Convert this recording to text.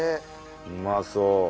うまそう。